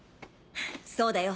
そうだよ。